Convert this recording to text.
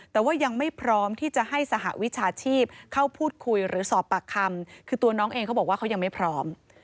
แต่ว่ายังไม่พร้อมที่จะให้สหวิชาชีพเข้าพูดคุยหรือสอบปากคำคือตัวน้องเองเขาบอกว่าเขายังไม่พร้อม